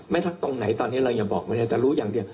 ไม่ทักตรงไหนตอนนี้เรายังบอกมันเอง